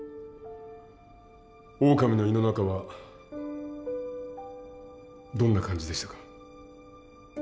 オオカミの胃の中はどんな感じでしたか？